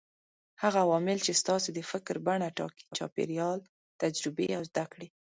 هغه عوامل چې ستاسې د فکر بڼه ټاکي: چاپېريال، تجربې او زده کړې.